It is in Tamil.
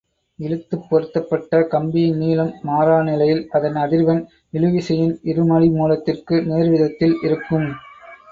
இழுத்துப் பொருத்தப்பட்ட கம்பியின் நீளம் மாறா நிலையில், அதன் அதிர்வெண் இழுவிசையின் இருமடிமுலத்திற்கு நேர்விதத்தில் இருக்கும்.